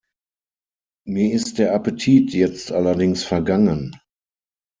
Mir ist der Appetit jetzt allerdings vergangen.